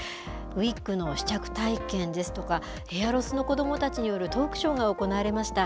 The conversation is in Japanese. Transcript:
ウィッグの試着体験ですとか、ヘアロスの子どもたちによるトークショーが行われました。